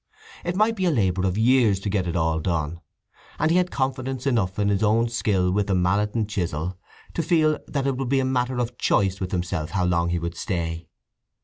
It might be a labour of years to get it all done, and he had confidence enough in his own skill with the mallet and chisel to feel that it would be a matter of choice with himself how long he would stay.